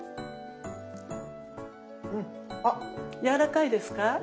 やわらかいですか？